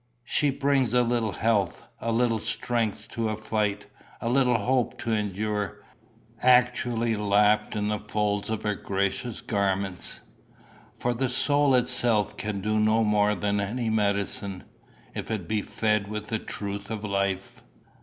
She brings a little health, a little strength to fight, a little hope to endure, actually lapt in the folds of her gracious garments; for the soul itself can do more than any medicine, if it be fed with the truth of life."